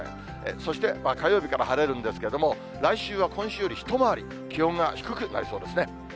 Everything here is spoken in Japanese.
そして火曜日から晴れるんですけれども、来週は今週より一回り、気温が低くなりそうですね。